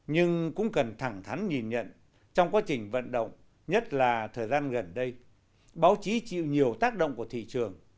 nhưng cũng cần thẳng thắn nhìn nhận trong quá trình vận động nhất là thời gian gần đây báo chí chịu nhiều tác động của thị trường